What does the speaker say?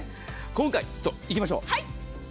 今回、いきましょう。